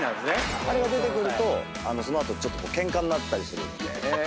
あれが出てくるとその後ケンカになったりするので。